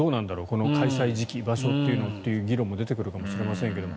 この開催時期、場所という議論も出てくるかもしれませんが。